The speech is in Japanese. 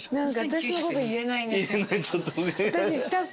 私のこと言えない私２袋。